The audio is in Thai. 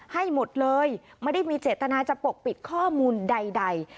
ให้หมดเลยไม่ได้มีเจตนาจะปกปิดข้อมูลใด